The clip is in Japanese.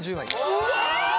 うわ！